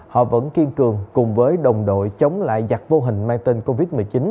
họ vẫn kiên cường cùng với đồng đội chống lại giặc vô hình mang tên covid một mươi chín